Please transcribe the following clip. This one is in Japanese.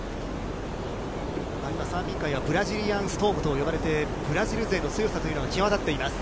今、サーフィン界はブラジリアンストームと呼ばれてブラジル勢の強さというのが際立っています。